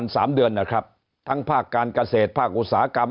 ๕๐๐๐๕๐๐๐๕๐๐๐สามเดือนนะครับทั้งภาคการเกษตรภาคอุตสาหกรรม